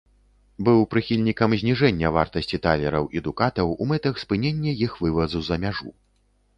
Быў прыхільнікам зніжэння вартасці талераў і дукатаў у мэтах спынення іх вывазу за мяжу.